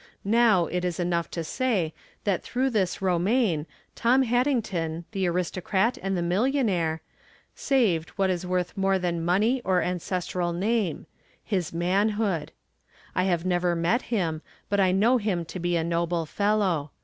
Now, it is enough to say that through this Romaine Tom Haddington, the aristocrat and the millionaire, saved what is worth more than money or ances tral name — his manhood. I have never met liim, but I know him to be a noble fellow.